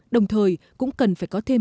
đồng thời cũng cần phải có thêm